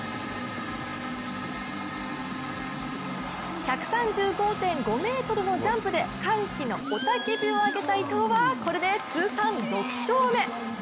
１３５．５ｍのジャンプで歓喜の雄たけびを上げた伊藤はこれで通算６勝目。